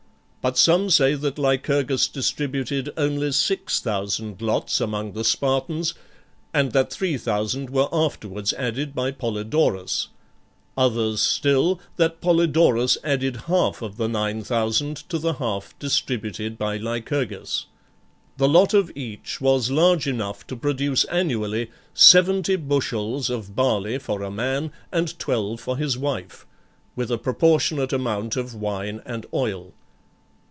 But some say that Lycurgus distributed only six thousand lots among the Spartans, and that three thousand were afterwards added by Polydorus; others still, that Polydorus added half of the nine thousand to the half distributed by Lycurgus. The lot of each was large enough to produce annually seventy bushels of barley for a man and twelve for his wife, with a proportionate amount of wine and oil.